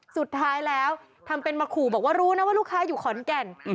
สุดท้ายแล้วทำเป็นมาขู่บอกว่ารู้นะว่าลูกค้าอยู่ขอนแก่น